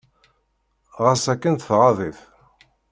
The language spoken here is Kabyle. Ɣas akken, tɣaḍ-it.